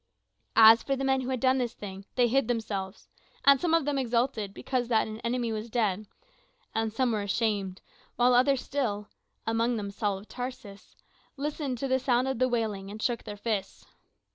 As for the men which had done this thing, they hid themselves; and some of them exulted because that an enemy was dead, and some were ashamed, while others still amongst them Saul of Tarsus listened to the sound of the wailing, and shook their fists.